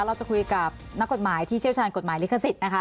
เราจะคุยกับนักกฎหมายที่เชี่ยวชาญกฎหมายลิขสิทธิ์นะคะ